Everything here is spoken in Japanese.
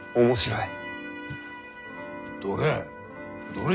どれ？